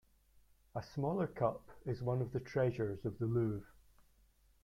A smaller cup is one of the treasures of the Louvre.